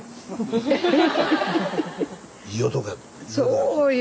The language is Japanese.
そうよ。